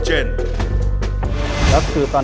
เชื่อ